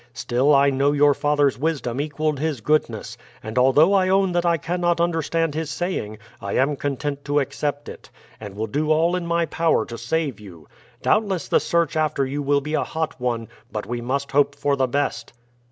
Still I know your father's wisdom equaled his goodness; and although I own that I cannot understand his saying, I am content to accept it, and will do all in my power to save you. Doubtless the search after you will be a hot one, but we must hope for the best."